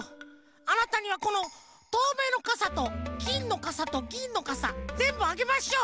あなたにはこのとうめいのかさときんのかさとぎんのかさぜんぶあげましょう！